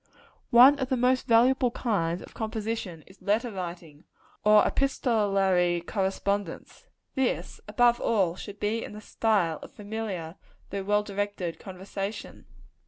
One of the most valuable kinds of composition is letter writing, or epistolary correspondence. This, above all, should be in the style of familiar though well directed conversation.